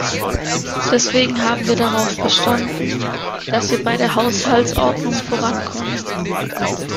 Deswegen haben wir darauf bestanden, dass wir bei der Haushaltsordnung vorankommen.